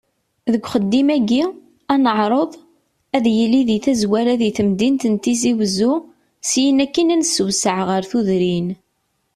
Deg uxeddim-agi, ad neɛreḍ, ad yili di tazwara di temdint n Tizi Uzzu, syin akin ad nessewseɛ ɣer tudrin.